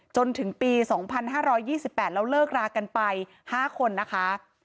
จนถึงปี๒๕๒๘แล้วเลิกรากันไป๕คนนะคะ